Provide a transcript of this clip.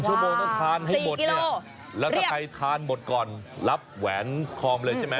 ชั่วโมงต้องทานให้หมดเนี่ยแล้วถ้าใครทานหมดก่อนรับแหวนคอมเลยใช่ไหม